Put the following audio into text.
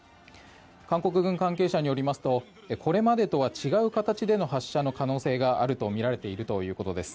韓国軍関係者によりますとこれまでとは違う形での発射の可能性があるとみられているということです。